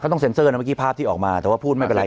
ต้องเซ็นเซอร์นะเมื่อกี้ภาพที่ออกมาแต่ว่าพูดไม่เป็นไร